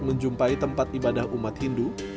menjumpai tempat ibadah umat hindu